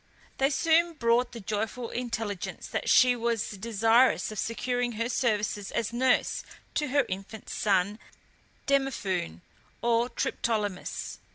They soon brought the joyful intelligence that she was desirous of securing her services as nurse to her infant son Demophoon, or Triptolemus.